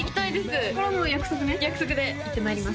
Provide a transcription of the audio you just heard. これはもう約束ね約束で行ってまいります